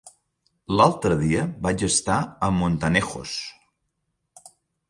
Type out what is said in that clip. L'altre dia vaig estar a Montanejos.